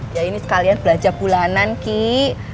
ya ini sekalian belanja bulanan ki